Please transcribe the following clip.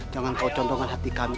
jangan kau condongkan hati kami